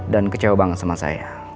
dan kecewa banget sama saya